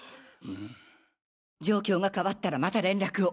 状況が変わったらまた連絡を！